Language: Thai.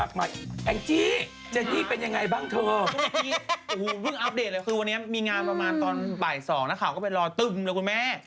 อันทีเมืองเวิ้งอัพเดทเลยคือวันนี้มีงานประมาณต้นบ่ายสองนะคะก็ไปรอตึ่มนะคุณแม่